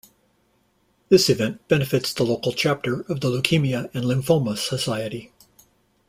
This event benefits the local chapter of the Leukemia and Lymphoma society.